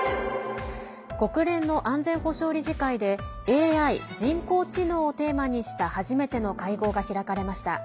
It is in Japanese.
国連の安全保障理事会でＡＩ＝人工知能をテーマにした初めての会合が開かれました。